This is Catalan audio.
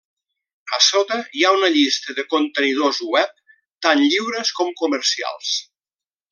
A sota hi ha una llista de contenidors web, tant lliures com comercials.